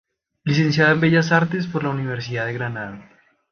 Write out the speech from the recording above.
Licenciada en Bellas Artes por la Universidad de Granada.